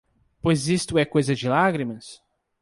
Pois isto é coisa de lágrimas?